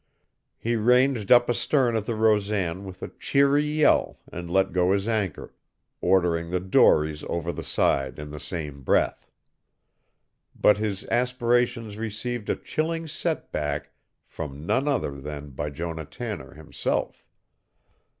He ranged up astern of the Rosan with a cheery yell and let go his anchor, ordering the dories over the side in the same breath. But his aspirations received a chilling setback from none other than Bijonah Tanner himself.